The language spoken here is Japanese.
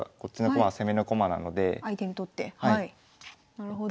なるほど。